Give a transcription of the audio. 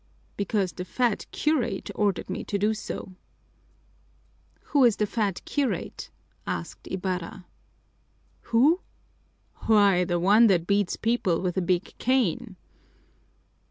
"Because the fat curate ordered me to do so." "Who is the fat curate?" asked Ibarra. "Who? Why, the one that beats people with a big cane."